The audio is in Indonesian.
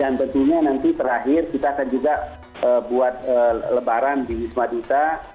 dan tentunya nanti terakhir kita akan juga buat lebaran di wisma duta